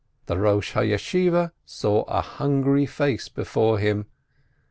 The Eosh ha Yeshiveh saw a hungry face before him.